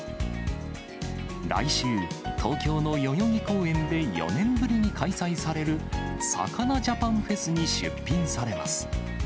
来週、東京の代々木公園で４年ぶりに開催される、魚＆ジャパンフェスに出品されます。